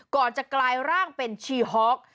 ก่อนจะกลายร่างเป็นชีฮอก